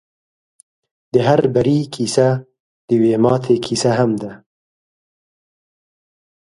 د هر بري کيسه د يوې ماتې کيسه هم ده.